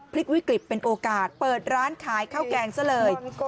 พลิกวิกฤตเป็นโอกาสเปิดร้านขายข้าวแกงซะเลย